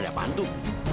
ada apaan itu